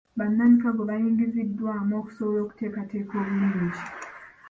Bannamikago bayingiziddwamu okusobola okuteekateeka obulungi.